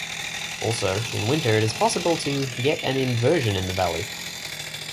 Also, in winter it is possible to get an inversion in the valley.